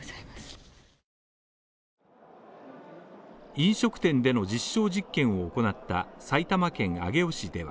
飲食店での実証実験を行った埼玉県上尾市では